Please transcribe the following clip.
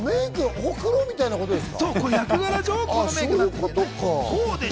ホクロみたいなことですか？